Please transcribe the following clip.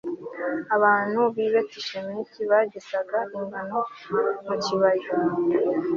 abantu b'i betishemeshi bagesaga ingano mu kibaya